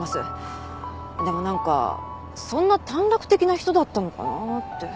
でもなんかそんな短絡的な人だったのかなあって。